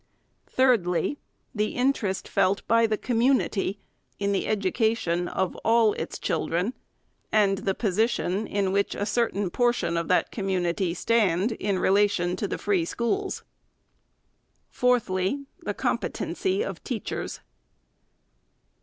Thirdly, the interest felt by the community in the edu cation of all its children ; and the position in which a certain portion of that community stand in relation to the free schools. Fourthly, the competency of teachers.